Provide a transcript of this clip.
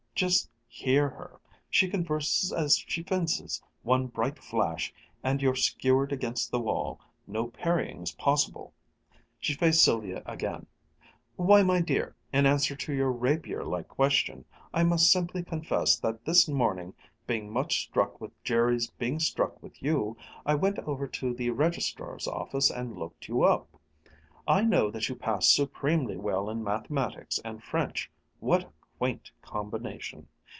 "Just hear her! She converses as she fences one bright flash, and you're skewered against the wall no parryings possible!" She faced Sylvia again: "Why, my dear, in answer to your rapier like question, I must simply confess that this morning, being much struck with Jerry's being struck with you, I went over to the registrar's office and looked you up. I know that you passed supremely well in mathematics and French (what a quaint combination!)